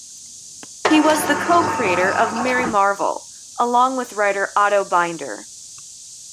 He was the co-creator of Mary Marvel, along with writer Otto Binder.